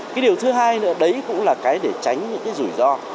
cái điều thứ hai nữa đấy cũng là cái để tránh những cái rủi ro